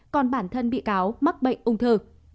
còn bản thân bị cáo mắc bệnh ung thư